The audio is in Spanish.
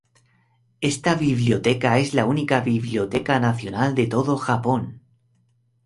Esta biblioteca, es la única biblioteca nacional de todo Japón.